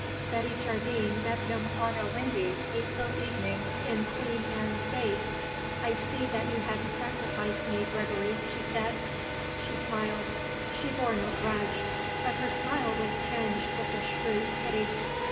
Betty Jardine met him on a windy April evening in Queen Anne's Gate. "I see that you had to sacrifice me, Gregory," she said. She smiled; she bore no grudge; but her smile was tinged with a shrewd pity.